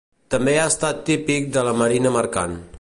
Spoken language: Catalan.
També ha estat típic de la marina mercant.